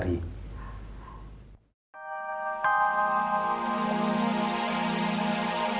tapi itu sudah berarti aku berkeliling kota